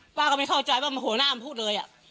ไม่รู้ป้าก็ไม่เข้าใจว่ามันหัวหน้ามันพูดเลยอ่ะ